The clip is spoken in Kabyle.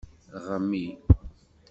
Ɣmi.